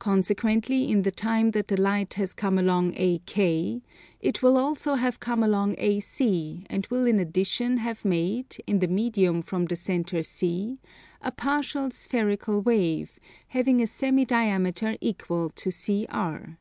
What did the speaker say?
Consequently in the time that the light has come along AK it will also have come along AC and will in addition have made, in the medium from the centre C, a partial spherical wave, having a semi diameter equal to CR.